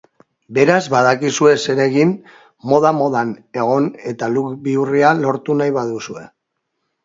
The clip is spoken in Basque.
Beraz, badakizue zer egin moda-modan egon eta look bihurria lortu nahi baduzue.